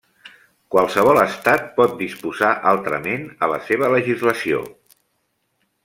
Qualsevol estat pot disposar altrament a la seva legislació.